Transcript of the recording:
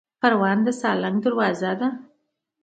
پروان د سالنګ دروازه ده